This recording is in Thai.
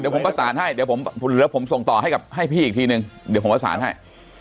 ผมประสานให้เดี๋ยวผมส่งต่อให้กับให้พี่อีกทีนึงเดี๋ยวผมประสานให้